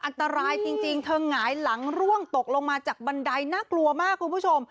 อันตรายจริงเธอหงายหลังร่วงตกลงมาจากบันไดน่ากลัวมากคุณผู้ชม